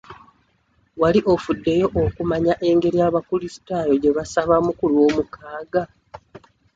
Wali ofuddeyo okumanya engeri abakulisitaayo gye basabamu ku lw'omukaaga?